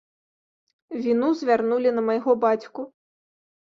Віну звярнулі на майго бацьку.